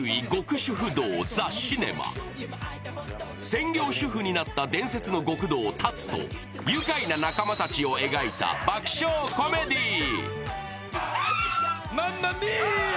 専業主夫になった伝説の極道・龍と愉快な仲間たちを描いた爆笑コメディー。